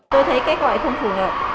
tôi thấy cái gọi không phù hợp